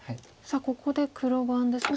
さあここで黒番で。